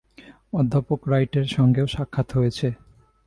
অধ্যাপক রাইটের সঙ্গেও সাক্ষাৎ হয়েছে।